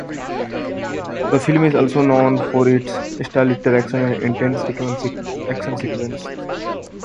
The film is also known for its stylish direction and intense action sequences.